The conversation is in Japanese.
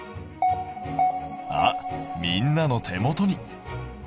あっみんなの手元に。